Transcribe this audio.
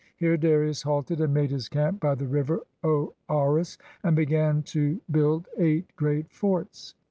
Here Darius halted and made his camp by the river Oarus, and began to build eight great forts.